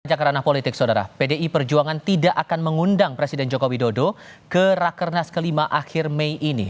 pada jangka ranah politik pdi perjuangan tidak akan mengundang presiden jokowi dodo ke rakernas kelima akhir mei ini